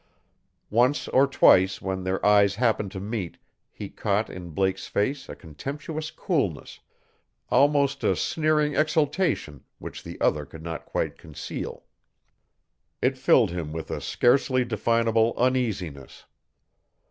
Once or twice when their eyes happened to meet he caught in Blake's face a contemptuous coolness, almost a sneering exultation which the other could not quite conceal. It filled him with a scarcely definable uneasiness.